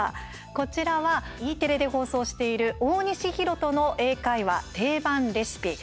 こちらはＥテレで放送している「大西泰斗の英会話☆定番レシピ」